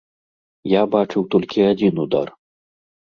Я бачыў толькі адзін удар.